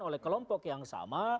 oleh kelompok yang sama